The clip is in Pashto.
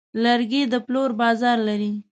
لرګی د پلور بازار لري.